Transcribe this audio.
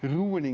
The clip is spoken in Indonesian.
di tempat lain